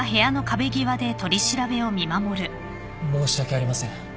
申し訳ありません。